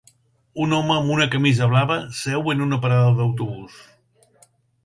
Un home amb una camisa blava seu en una parada d'autobús